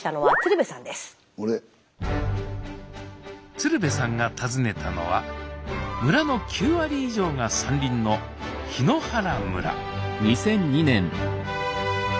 鶴瓶さんが訪ねたのは村の９割以上が山林の檜原村